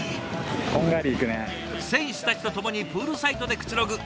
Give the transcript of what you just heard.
選手たちと共にプールサイドでくつろぐ